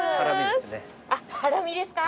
あっハラミですか。